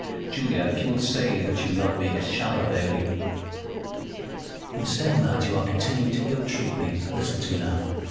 "Julia, if you will say that you love me, it shall avail you." "In saying that, you are continuing to ill treat me. Listen to me now.